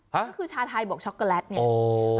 ฮะก็คือชาไทยบวกช็อกโกแลตเนี่ย